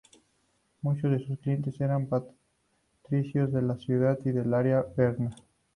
Muchos de sus clientes eran patricios de la ciudad y del área de Berna.